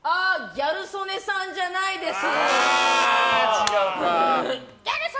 ギャル曽根さんじゃないです！